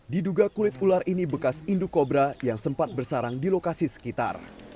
diduga kulit ular ini bekas induk kobra yang sempat bersarang di lokasi sekitar